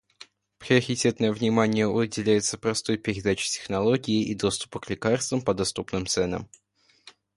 Приоритетное внимание уделяется простой передаче технологии и доступу к лекарствам по доступным ценам.